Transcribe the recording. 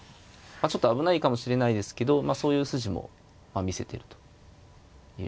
ちょっと危ないかもしれないですけどそういう筋も見せてるということですね。